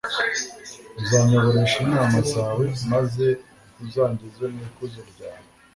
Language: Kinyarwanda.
uzanyoboresha inama zawe, maze uzangeze mu ikuzo ryawe